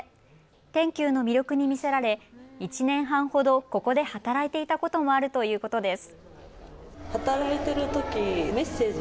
ＴｅＮＱの魅力に魅せられ１年半ほどここで働いていたこともあるということです。